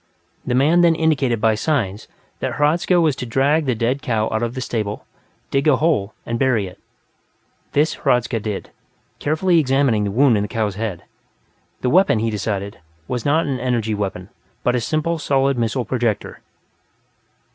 The man then indicated by signs that Hradzka was to drag the dead cow out of the stable, dig a hole, and bury it. This Hradzka did, carefully examining the wound in the cow's head the weapon, he decided, was not an energy weapon, but a simple solid missile projector.